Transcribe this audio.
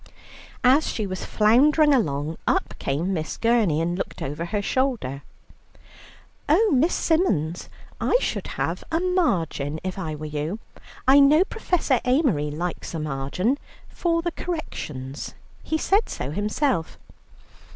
As she was floundering along, up came Miss Gurney and looked over her shoulder. "Oh Miss Symons, I should have a margin if I were you; I know Professor Amery likes a margin for the corrections, he said so himself.